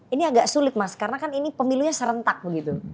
ini agak sulit mas karena kan ini pemilunya serentak begitu